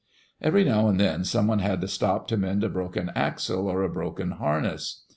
Every now and then someone had to stop to mend a broken axle or a broken harness.